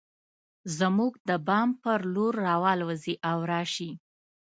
زموږ د بام پر لور راوالوزي او راشي